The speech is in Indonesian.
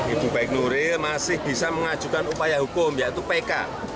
ibu baik nuril masih bisa mengajukan upaya hukum yaitu pk